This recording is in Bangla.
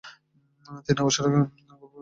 তিনি অবসর গ্রহণ করেন।